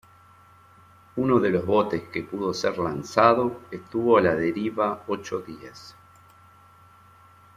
Uno de los botes que pudo ser lanzado, estuvo a la deriva ocho días.